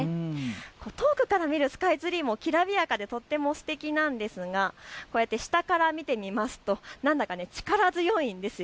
遠くから見るスカイツリーもきらびやかでとってもすてきですが、こうやって下から見ると何だか力強いんです。